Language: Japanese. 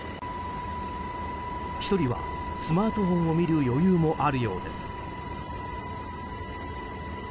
１人はスマートフォンを見る余裕もあるようです。